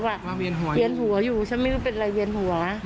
เวียนหัวอยู่ฉันไม่รู้เป็นอะไรเวียนหัว